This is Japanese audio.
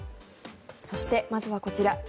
そして、まずはこちら。